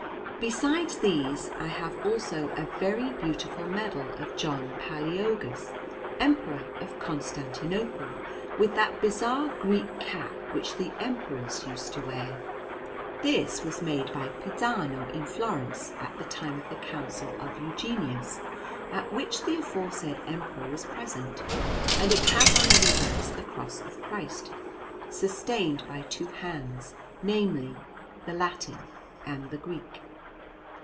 Besides these, I have also a very beautiful medal of John Palæologus, Emperor of Constantinople, with that bizarre Greek cap which the Emperors used to wear. This was made by Pisano in Florence, at the time of the Council of Eugenius, at which the aforesaid Emperor was present; and it has on the reverse the Cross of Christ, sustained by two hands namely, the Latin and the Greek."